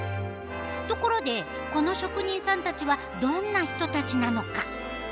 ところでこの職人さんたちはどんな人たちなのか。